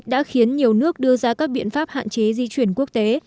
đã khiến nhiều nước đưa ra các biện pháp hạn chế di chuyển quốc tế